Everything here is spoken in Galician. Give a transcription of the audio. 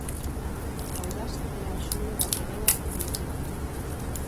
Audasa é a xoia da coroa de Itínere.